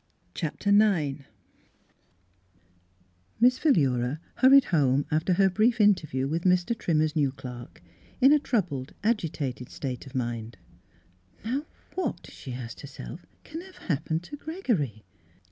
IX Miss Philxjea hurried home after her brief interview with Mr. Trimmer's new clerk in a troubled, agitated state of mind. « Now what," she asked herself, " can have happened to Gregory?"